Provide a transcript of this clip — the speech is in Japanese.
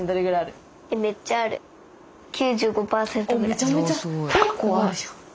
おっめちゃめちゃ結構あるじゃん。